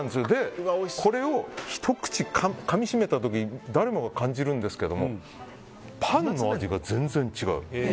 これを、ひと口かみ締めた時に誰もが感じるんですけどパンの味が全然違う。